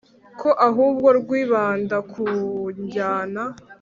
ko ahubwo rwibanda ku njyana,